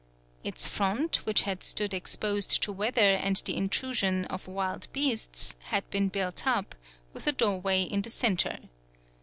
Its front, which had stood exposed to weather and the intrusion of wild beasts, had been built up, with a doorway in the centre.